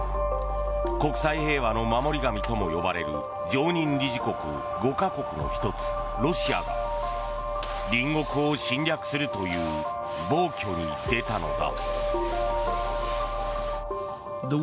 国際平和の守り神とも呼ばれる常任理事国５か国の１つロシアが隣国を侵略するという暴挙に出たのだ。